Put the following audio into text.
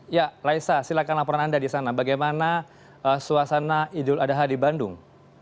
ya laisa silakan laporan anda di sana bagaimana suasana idul adha di bandung